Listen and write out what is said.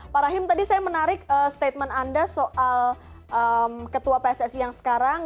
pak rahim tadi saya menarik statement anda soal ketua pssi yang sekarang